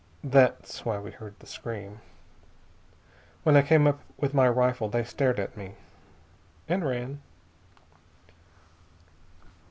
That's why we heard the scream. When I came up with my rifle they stared at me, and ran.